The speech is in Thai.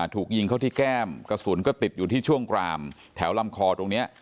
ถูกยิงเข้าที่แก้มกระสุนก็ติดอยู่ที่ช่วงกรามแถวลำคอตรงนี้